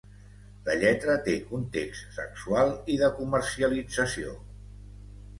La lletra té context sexual i de comercialització.